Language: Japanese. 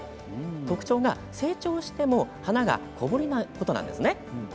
特徴が成長しても花が小ぶりなことなんです。